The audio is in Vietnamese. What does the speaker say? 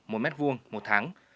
một mét vuông một tháng